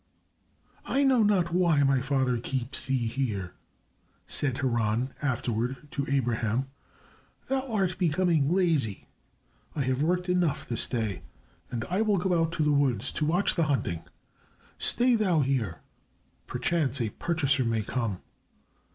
"I know not why my father keeps thee here," said Haran afterward to Abraham. "Thou art becoming lazy. I have worked enough this day and will go out to the woods to watch the hunting. Stay thou here. Perchance a purchaser may come.